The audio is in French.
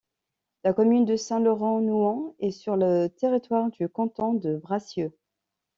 La commune de Saint-Laurent-Nouan est sur le territoire du canton de Bracieux.